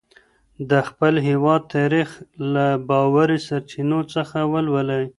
د خپل هېواد تاریخ له باوري سرچینو څخه ولولئ.